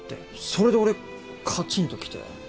それで俺かちんときて。